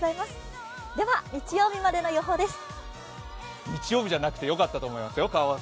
では日曜日までの予報です。